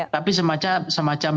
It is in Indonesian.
tapi semacam demikian